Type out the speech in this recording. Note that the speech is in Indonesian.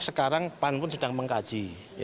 sekarang pan pun sedang mengkaji